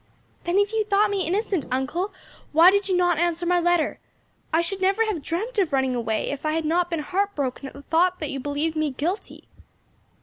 "Then if you thought me innocent, uncle, why did you not answer my letter? I should never have dreamt of running away if I had not been heart broken at the thought that you believed me guilty."